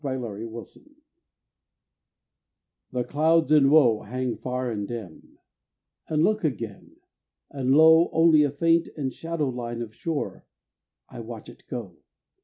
LAST SIGHT OF LAND The clouds in woe hang far and dim; I look again, and lo, Only a faint and shadow line Of shore I watch it go.